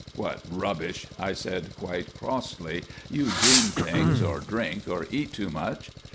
"What rubbish," I said, quite crossly, "you dream things, or drink, or eat too much."